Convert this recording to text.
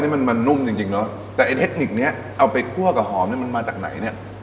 นี่มันมันนุ่มจริงจริงเนอะแต่ไอ้เทคนิคเนี้ยเอาไปคั่วกับหอมเนี้ยมันมาจากไหนเนี่ย